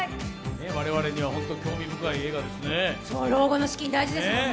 我々には本当に興味深い映画ですね。